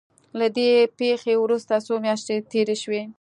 له دې پېښې وروسته څو مياشتې تېرې شوې.